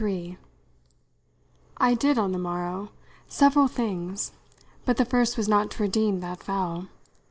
III I did on the morrow several things, but the first was not to redeem that vow.